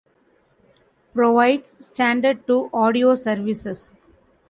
Provides standard to audio services.